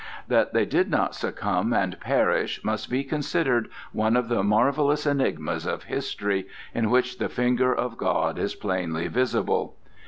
That they did not succumb and perish must be considered one of the marvellous enigmas of history, in which the finger of God is plainly visible.